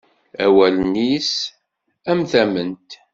Awalen-is am tament.